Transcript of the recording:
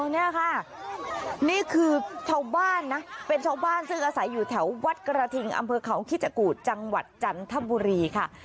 นี่ค่ะนี่คือชาวบ้านนะเป็นชาวบ้านซึ่งอาศัยอยู่แถววัดกระทิงอำเภอเขาคิจกูธจังหวัดจันทบุรีค่ะ